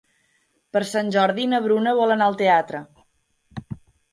Per Sant Jordi na Bruna vol anar al teatre.